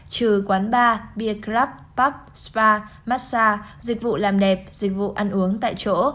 trừ quán bar beer club pub spa massage dịch vụ làm đẹp dịch vụ ăn uống tại chỗ